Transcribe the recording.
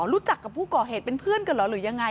รู้จักกับผู้ก่อเหตุเป็นเพื่อนกันเหรอหรือยังไง